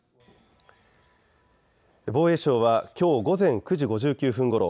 防衛省はきょう午前９時５９分ごろ